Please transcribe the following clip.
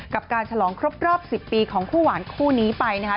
กับการฉลองครบรอบ๑๐ปีของคู่หวานคู่นี้ไปนะคะ